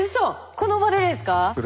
この場でですか？